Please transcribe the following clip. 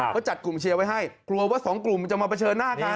เขาจัดกลุ่มเชียร์ไว้ให้กลัวว่าสองกลุ่มจะมาเผชิญหน้ากัน